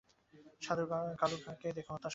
সাধু কালু খাঁ-কে দেখেও খুব হতাশ হতে হল।